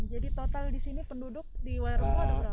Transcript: jadi total di sini penduduk di wairabo ada berapa